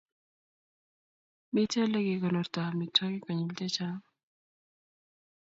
Mitei Ole kekonortoi amitwogik konyil chechang